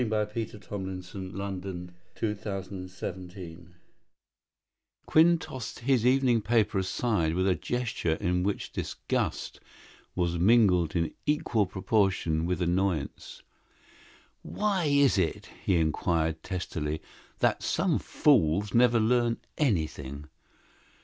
XIX THE CLUE IN THE CLASSIFIED COLUMN Quinn tossed his evening paper aside with a gesture in which disgust was mingled in equal proportion with annoyance. "Why is it," he inquired, testily, "that some fools never learn anything?"